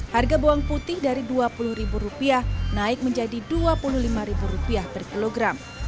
harga bawang putih dari rp dua puluh naik menjadi rp dua puluh lima per kilogram